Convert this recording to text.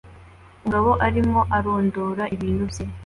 Umugabo arimo arondora ibintu bye